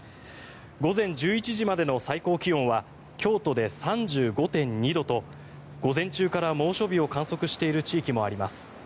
午前１１時までの最高気温は京都で３５．２度と午前中から猛暑日を観測している地域もあります。